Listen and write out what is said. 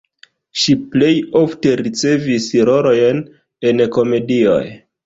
Ŝi plej ofte ricevis rolojn en komedioj.